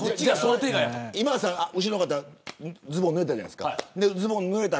後ろの方はズボンがぬれたじゃないですか。